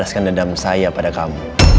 bisik udah gain gannah